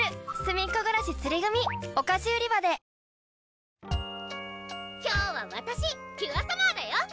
ねっ今日はわたしキュアサマーだよ！